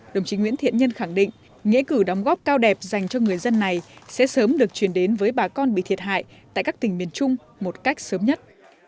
đồng chí nguyễn thiện nhân khẳng định nghĩa cử đóng góp cao đẹp dành cho người dân này sẽ sớm được truyền đến với bà con bị thiệt hại tại các tỉnh miền trung một cách sớm nhất